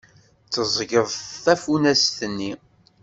Teẓẓgeḍ tafunast-nni.